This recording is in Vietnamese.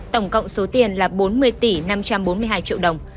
tổng cộng số tiền là bốn mươi tỷ năm trăm bốn mươi hai triệu đồng